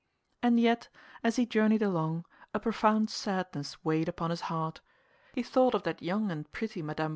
And yet, as he journeyed along, a profound sadness weighed upon his heart. He thought of that young and pretty Mme.